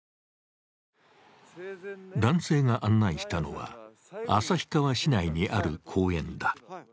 男性が案内したのは旭川市内にある公園だ。